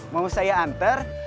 mau saya anter